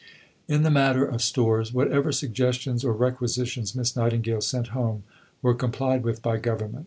In the matter of stores, whatever suggestions or requisitions Miss Nightingale sent home were complied with by Government.